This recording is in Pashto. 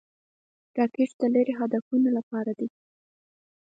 راکټ د لیرې هدفونو لپاره دی